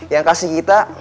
yang kasih kita